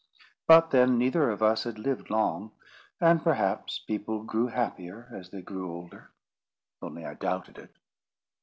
But then neither of us had lived long, and perhaps people grew happier as they grew older. Only I doubted it.